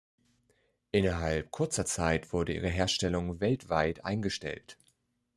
Innerhalb kurzer Zeit wurde ihre Herstellung weltweit eingestellt.